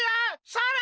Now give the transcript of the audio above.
それ！